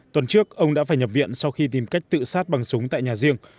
tuần trước ông đã phải nhập viện sau khi tìm cách tự sát bằng súng tại nhà riêng